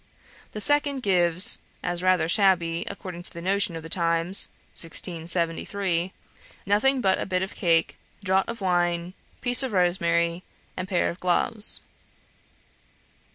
The second gives, as rather shabby, according to the notion of the times (1673), "nothing but a bit of cake, draught of wine, piece of rosemary, and pair of gloves."